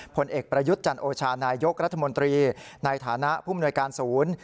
ผลเอกประยุทธ์จันโอชานายกรัฐมนตรีในฐานะผู้มนวยการศูนย์